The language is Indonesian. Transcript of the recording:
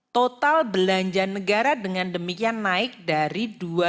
total belanja negara dengan demikian naik dari dua tujuh ratus empat belas